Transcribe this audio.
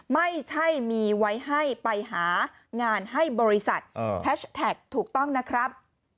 ไม่ใช่มีไว้ให้ไปหางานให้บริษัทแฮชแท็กถูกต้องนะครับ